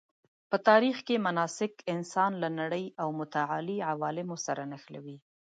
په تاریخ کې مناسک انسان له نړۍ او متعالي عوالمو سره نښلوي.